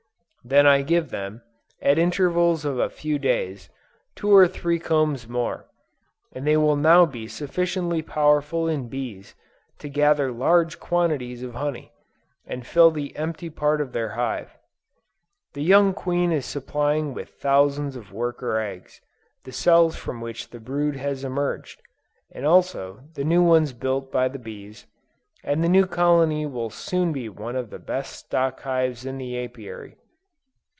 I then give them, at intervals of a few days, two or three combs more, and they will now be sufficiently powerful in bees, to gather large quantities of honey, and fill the empty part of their hive. The young queen is supplying with thousands of worker eggs, the cells from which the brood has emerged, and also the new ones built by the bees, and the new colony will soon be one of the best stock hives in the Apiary.